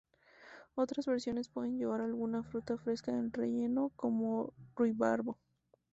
Otras versiones pueden llevar alguna fruta fresca en el relleno, como ruibarbo.